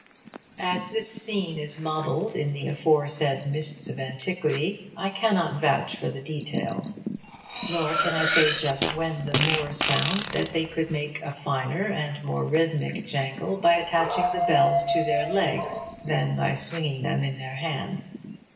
As this scene is mobled in the aforesaid mists of antiquity, I cannot vouch for the details. Nor can I say just when the Moors found that they could make a finer and more rhythmic jangle by attaching the bells to their legs than by swinging them in their hands.